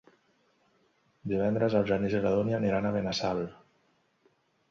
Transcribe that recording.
Divendres en Genís i na Dúnia aniran a Benassal.